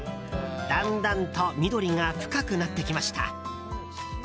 だんだんと緑が深くなってきました。